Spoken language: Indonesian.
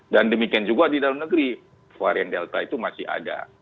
dan demikian juga di dalam negeri varian delta itu masih ada